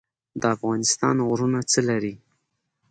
د افغانستان غرونه څه لري؟